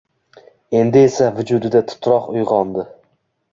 Endi esa vujudida titroq uyg‘ondi.